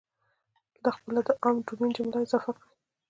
دلته خپله د عام ډومین جمله اضافه کړئ.